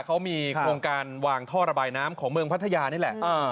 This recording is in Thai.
เขามีโครงการวางท่อระบายน้ำของเมืองพัทยานี่แหละ